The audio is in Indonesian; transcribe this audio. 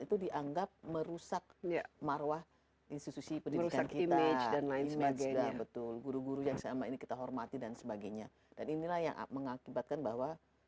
itu dianggap merusak marwah institusi pendidikan kita